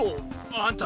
あんた。